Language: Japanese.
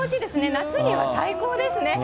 夏には最高ですね。